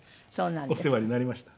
お世話になりました。